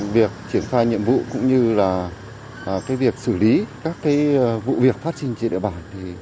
việc triển khai nhiệm vụ cũng như là việc xử lý các vụ việc phát sinh trên địa bàn